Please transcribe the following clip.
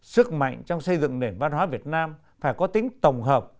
sức mạnh trong xây dựng nền văn hóa việt nam phải có tính tổng hợp